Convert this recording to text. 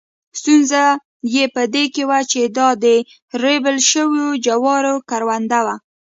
ستونزه یې په دې کې وه چې دا د ریبل شوو جوارو کرونده وه.